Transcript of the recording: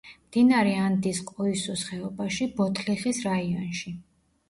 მდინარე ანდის ყოისუს ხეობაში, ბოთლიხის რაიონში.